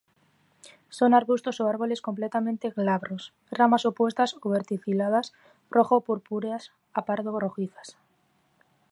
Son arbustos o árboles completamente glabros; ramas opuestas o verticiladas, rojo-purpúreas a pardo-rojizas.